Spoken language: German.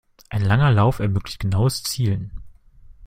Ein langer Lauf ermöglicht genaues Zielen.